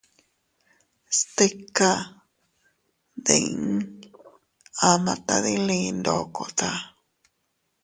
Stika diii ama tadili ndokota.